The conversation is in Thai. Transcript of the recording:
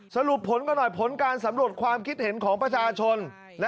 สรุปผลกันหน่อยผลการสำรวจความคิดเห็นของประชาชน